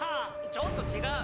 ちょっと違う。